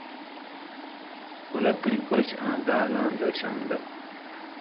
کلَتیں کوٙشیۡ آں دالاں جُوشانده